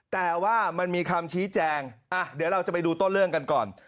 แต่ว่ามันมีคำชี้แจงเดี๋ยวเราจะไปดูต้นเรื่องกันก่อน